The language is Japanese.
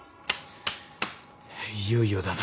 いよいよだな。